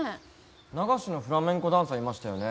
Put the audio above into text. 流しのフラメンコダンサーいましたよね？